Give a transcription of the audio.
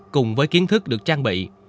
cùng với kiến thức được trang bị